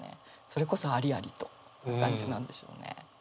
それこそ「ありありと」って感じなんでしょうね。